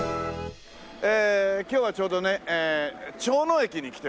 今日はちょうどねえ長野駅に来てますね。